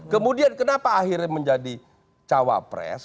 kemudian kenapa akhirnya menjadi cawapres